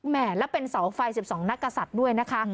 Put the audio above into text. แล้วเป็นเสาไฟ๑๒นักศัตริย์ด้วยนะคะ